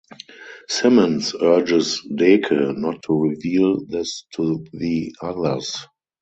Simmons urges Deke not to reveal this to the others.